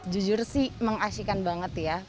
jujur sih mengasihkan banget ya